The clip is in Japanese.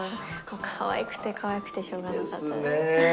かわいくてかわいくてしょうがなかった。